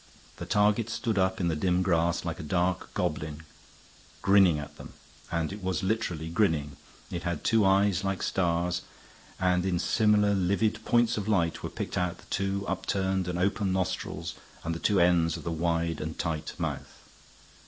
The target stood up in the dim grass like a dark goblin grinning at them, and it was literally grinning. It had two eyes like stars, and in similar livid points of light were picked out the two upturned and open nostrils and the two ends of the wide and tight mouth.